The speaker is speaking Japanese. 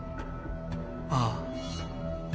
ああ。